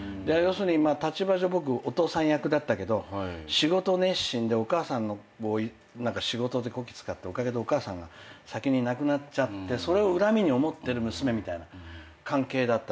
立場上僕お父さん役だったけど仕事熱心でお母さんを仕事でこき使っておかげでお母さんが先に亡くなっちゃってそれを恨みに思ってる娘みたいな関係だったの。